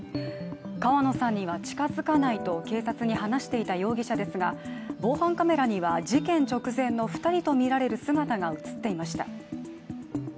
川野さんには近づかないと警察に話していた容疑者ですが防犯カメラには、事件直前の２人とみられる姿が映っていました。